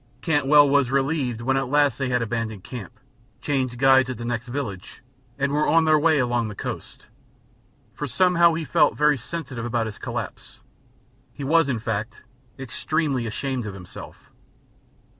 Cantwell was relieved when at last they had abandoned camp, changed guides at the next village, and were on their way along the coast, for somehow he felt very sensitive about his collapse. He was, in fact, extremely ashamed of himself.